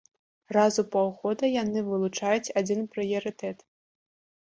Раз у паўгода яны вылучаюць адзін прыярытэт.